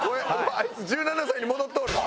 あいつ１７歳に戻っとる。